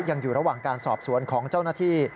ยังอยู่ระหว่างการสอบสวนของเจ้าหน้าที่